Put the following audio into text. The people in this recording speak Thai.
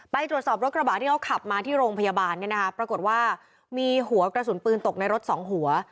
ใต้ตรวจสอบรถกระบาทที่เราขับมาที่โรงพยาบาลปรากฏว่ามีหัวกระสุนปืนตกในรถ๒หัว